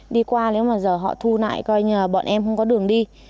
đi qua nếu mà giờ họ thu lại coi như là bọn em không có đường đi